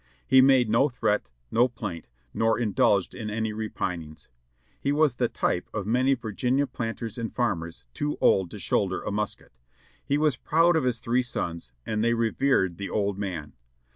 He made no threat, no plaint, nor indulged in any repinings. He was the type of many Virginia planters and farmers too old to shoulder a musket. He was proud of his three sons, and they revered the "old man."